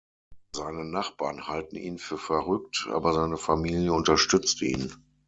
Seine Nachbarn halten ihn für verrückt, aber seine Familie unterstützt ihn.